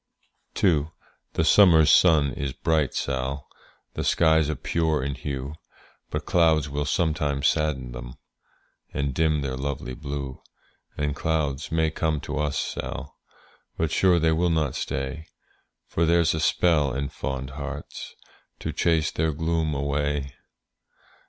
II. The summer's sun is bright, Sall, The skies are pure in hue; But clouds will sometimes sadden them, And dim their lovely blue; And clouds may come to us, Sall, But sure they will not stay; For there's a spell in fond hearts To chase their gloom away.